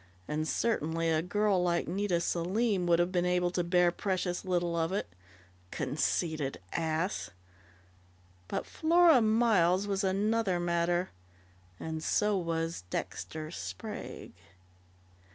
And certainly a girl like Nita Selim would have been able to bear precious little of it.... Conceited ass! But Flora Miles was another matter and so was Dexter Sprague!